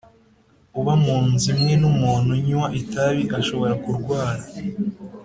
Uba mu nzu imwe n’umuntu unywa itabi ashobora kurwara